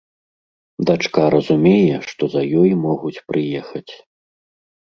Дачка разумее, што за ёй могуць прыехаць.